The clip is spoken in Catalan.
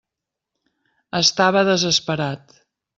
Estava desesperat.